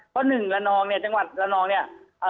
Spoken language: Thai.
เพราะหนึ่งละนองเนี่ยจังหวัดระนองเนี่ย